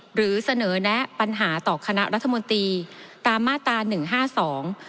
หรือเสนอแนะปัญหาต่อคณะรัฐมนตรีตามมาตราหนึ่งห้าสอง